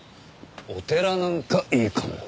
お寺なんかいいかも。